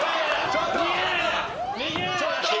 ちょっと！